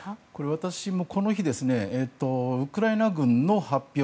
私もこの日ウクライナ軍の発表